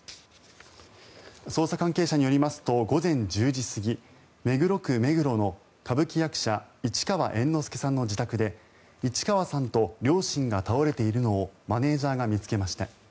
捜査関係者によりますと午前１０時過ぎ目黒区目黒の歌舞伎役者市川猿之助さんの自宅で市川さんと両親が倒れているのをマネジャーが見つけました。